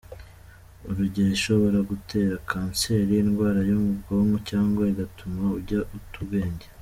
Urugero ishobora gutera kanseri, indwara yo mu bwonko cyangwa igatuma ujya uta ubwenge.